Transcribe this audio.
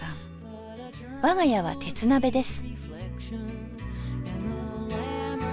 我が家は鉄鍋です。